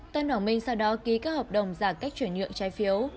tân hoàng minh sau đó ký các hợp đồng giả cách chuyển nhượng trái phiếu